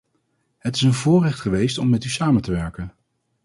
Het is een voorrecht geweest om met u samen te werken.